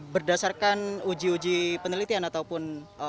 berdasarkan uji uji penelitian ataupun uji surfaktan